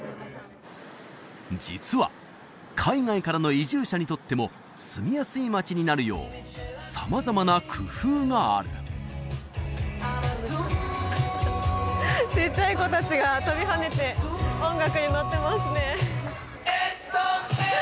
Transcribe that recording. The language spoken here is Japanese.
実は海外からの移住者にとっても住みやすい街になるよう様々な工夫があるちっちゃい子達が飛び跳ねて音楽にのってますね